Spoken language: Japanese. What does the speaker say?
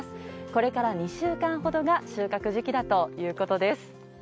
これから２週間ほどが収穫時期だということです。